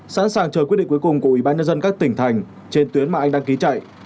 sẵn sàng chờ quyết định cuối cùng của ủy ban nhân dân các tỉnh thành trên tuyến mà anh đăng ký chạy